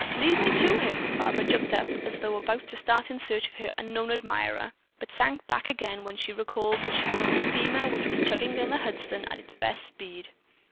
"Lead me to him!" Barbara jumped up as though about to start in search of her unknown admirer, but sank back again when she recalled that she was on a steamer which was chugging down the Hudson at its best speed.